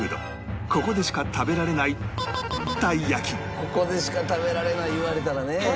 ここでしか食べられない言われたらね。